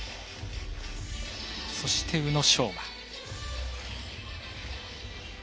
そして、宇野昌磨。